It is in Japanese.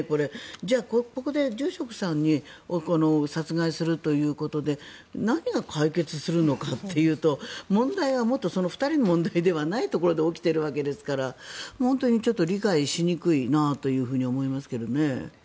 じゃあここで住職さんを殺害するということで何が解決するのかっていうと問題はもっとその２人の問題ではないところで起きているわけですから本当にちょっと理解しにくいなというふうに思いますけどね。